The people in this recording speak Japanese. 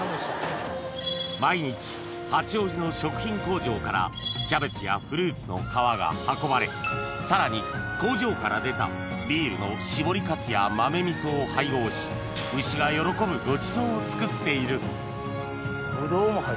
毎日八王子の食品工場からキャベツやフルーツの皮が運ばれさらに工場から出たビールの搾りかすや豆味噌を配合し牛が喜ぶごちそうを作っているあホンマや。